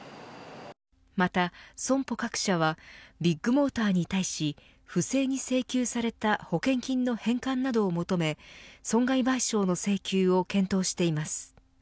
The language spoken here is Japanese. また損保各社はビッグモーターに対し不正に請求された保険金の返還などを求め損害賠償の請求を検討しています。